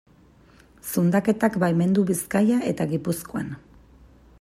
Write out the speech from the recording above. Zundaketak baimendu Bizkaia eta Gipuzkoan.